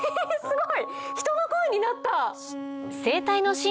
すごい！